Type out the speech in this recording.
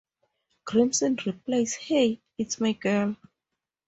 Grimson replies Hey, it's my girl!